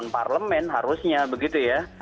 parlemen harusnya begitu ya